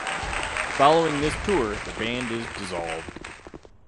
Following this tour, the band dissolved.